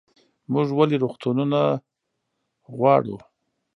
موږ ولې روغتونونه غواړو؟